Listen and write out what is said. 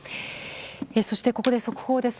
そして、ここで速報です。